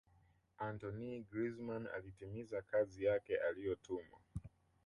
antoine grizman alitimiza kazi yake aliyotumwa